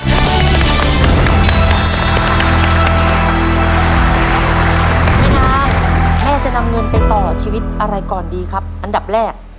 แม่น้ำแม่จะนำเงินไปต่อชีวิตอะไรก่อนดีครับอันดับแรก